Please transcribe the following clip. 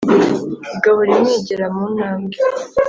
igahora imwigera mu ntambwe